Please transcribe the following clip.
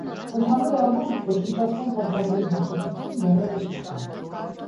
Ընդհանուր առմամբ, ոչնչացման պատճառների բացատրություն դեռևս չկա։